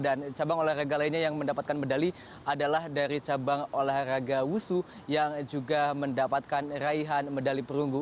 dan cabang olahraga lainnya yang mendapatkan medali adalah dari cabang olahraga wusu yang juga mendapatkan raihan medali perunggu